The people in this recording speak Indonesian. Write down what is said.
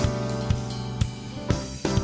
assalamu'alaikum warahmatullahi wabarakatuh